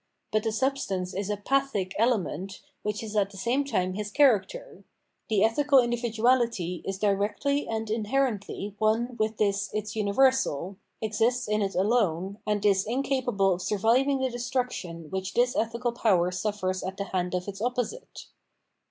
But the substance is a " pathic " element which is at the same time his char acter; the ethical individuality is directly and in herently one with this its universal, exists in it alone, and is incapable of surviving the destruction which this ethical power suffers at the hands of its opposite.